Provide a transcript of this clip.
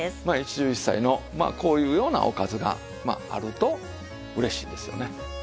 まあ一汁一菜のこういうようなおかずがあると嬉しいですよね。